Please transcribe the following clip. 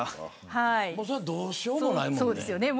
それはどうしようもないもんね。